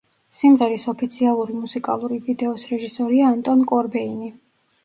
სიმღერის ოფიციალური მუსიკალური ვიდეოს რეჟისორია ანტონ კორბეინი.